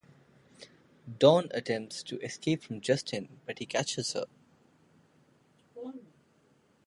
Dawn attempts to escape from Justin, but he catches her.